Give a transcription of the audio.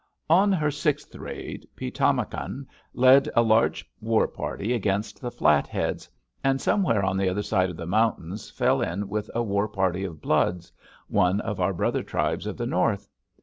"On her sixth raid, Pi´tamakan led a large war party against the Flatheads, and somewhere on the other side of the mountains fell in with a war party of Bloods, one of our brother tribes of the North.